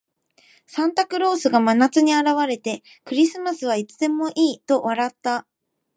サンタクロースが真夏に現れて、「クリスマスはいつでもいい」と笑った。